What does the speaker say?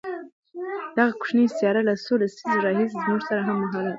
دغه کوچنۍ سیاره له څو لسیزو راهیسې زموږ سره هممهاله حرکت کوي.